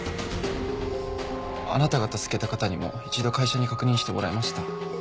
あなたが助けた方にも一度会社に確認してもらいました。